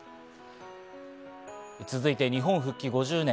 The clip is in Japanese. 続いて日本復帰５０年。